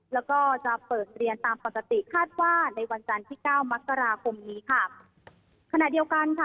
แล้วก็จะเปิดเรียนตามปกติคาดว่าในวันจันทร์ที่เก้ามกราคมนี้ค่ะขณะเดียวกันค่ะ